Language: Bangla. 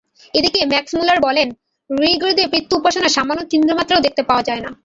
এদিকে ম্যাক্সমূলার বলেন, ঋগ্বেদে পিতৃ-উপাসনার সামান্য চিহ্নমাত্রও দেখিতে পাওয়া যায় না।